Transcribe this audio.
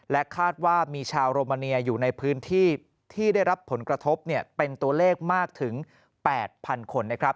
คาดว่ามีชาวโรมาเนียอยู่ในพื้นที่ที่ได้รับผลกระทบเป็นตัวเลขมากถึง๘๐๐๐คนนะครับ